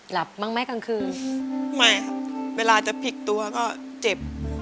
บ้างไหมกลางคืนไม่ครับเวลาจะพลิกตัวก็เจ็บ